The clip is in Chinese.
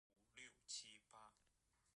任何人不得加以任意逮捕、拘禁或放逐。